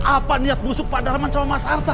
apa niat busuk pak darman sama mas arta